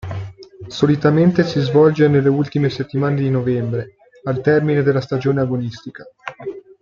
Solitamente si svolge nelle ultime settimane di novembre, al termine della stagione agonistica.